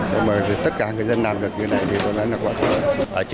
nhưng mà tất cả người dân làm việc như thế này thì còn rất là gọn nhẹ